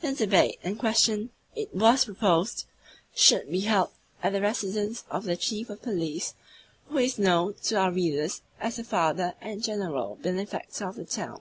The debate in question, it was proposed, should be held at the residence of the Chief of Police, who is known to our readers as the father and the general benefactor of the town.